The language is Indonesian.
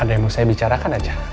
ada yang mau saya bicarakan aja